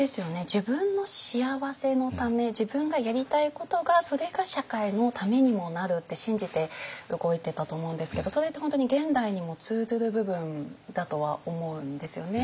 自分の幸せのため自分がやりたいことがそれが社会のためにもなるって信じて動いてたと思うんですけどそれって本当に現代にも通ずる部分だとは思うんですよね。